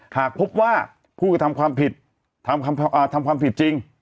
หากพบว่าผู้กระทำความผิดทำความผิดจริง